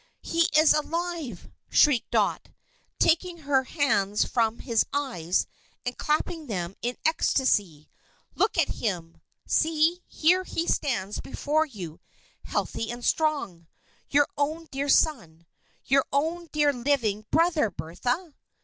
"He is alive!" shrieked Dot, taking her hands from his eyes, and clapping them in ecstasy. "Look at him! See, here he stands before you, healthy and strong! Your own dear son. Your own dear living brother, Bertha!"